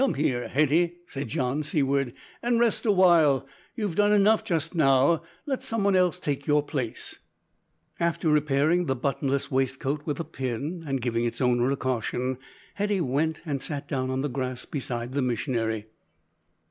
"Come here, Hetty," said John Seaward, "and rest a while. You have done enough just now; let some one else take your place." After repairing the buttonless waistcoat with a pin and giving its owner a caution, Hetty went and sat down on the grass beside the missionary.